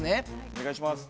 お願いします。